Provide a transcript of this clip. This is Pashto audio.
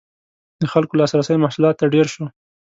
• د خلکو لاسرسی محصولاتو ته ډېر شو.